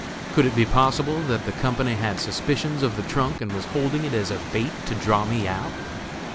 Could it be possible that the company had suspicions of the trunk and were holding it as a bait to draw me out?